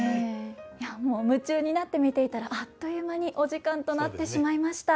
いやもう夢中になって見ていたらあっという間にお時間となってしまいました。